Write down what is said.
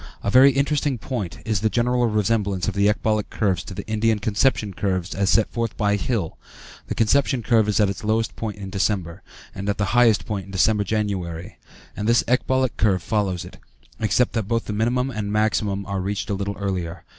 A very interesting point is the general resemblance of the ecbolic curves to the Indian conception curves as set forth by Hill (ante p. 140). The conception curve is at its lowest point in September, and at its highest point in December January, and this ecbolic curve follows it, except that both the minimum and the maximum are reached a little earlier.